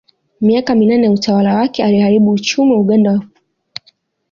Miaka minane ya utawala wake aliharibu uchumi wa Uganda kwa ufisadi